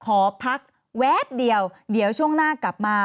ขอพักแว๊บเดียวช่วงหน้ากลับมา